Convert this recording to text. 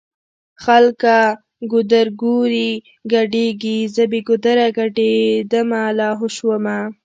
خلکه ګودرګوري ګډيږی زه بې ګودره ګډيدمه لا هو شومه